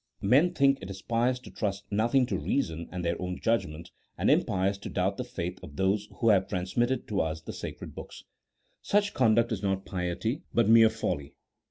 Men think it pious to trust nothing to reason and their own judgment, and impious to doubt the faith of those who have transmitted to us the sacred books. Such conduct is not piety, but mere folly.